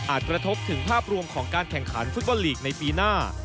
กระทบถึงภาพรวมของการแข่งขันฟุตบอลลีกในปีหน้า